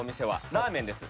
ラーメンです。